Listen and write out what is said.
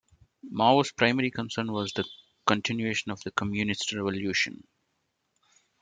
Mao's primary concern was the continuation of the communist revolution.